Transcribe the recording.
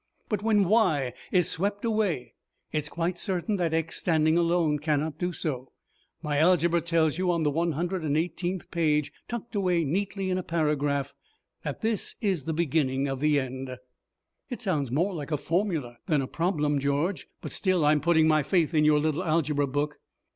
But when y is swept away it's quite certain that x standing alone cannot do so. My algebra tells you on the 118th page, tucked away neatly in a paragraph, that this is the beginning of the end." "It sounds more like a formula than a problem, George, but still I'm putting my faith in your little algebra book."